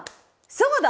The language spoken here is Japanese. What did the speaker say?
そうだ！